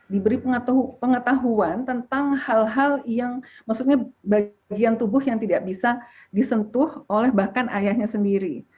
diberi pengetahuan tentang hal hal yang maksudnya bagian tubuh yang tidak bisa disentuh oleh bahkan ayahnya sendiri